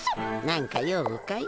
何か用かい？